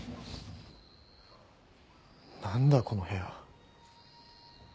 何だこの部屋。